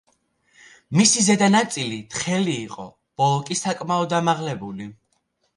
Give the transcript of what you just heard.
მისი ზედა ნაწილი თხელი იყო, ბოლო კი საკმაოდ ამაღლებული.